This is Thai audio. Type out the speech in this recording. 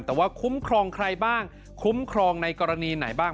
แต่ว่าคุ้มครองใครบ้างคุ้มครองในกรณีไหนบ้าง